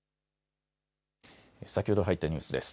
先ほど入ったニュースです。